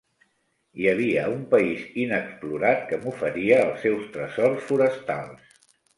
Hi havia un país inexplorat que m'oferia els seus tresors forestals.